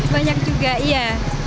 banyak juga iya